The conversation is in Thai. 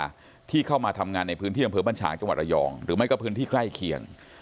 อะไรก็ว่ากันไปอย่างเนี่ย